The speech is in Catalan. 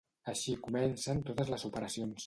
Així comencen totes les operacions.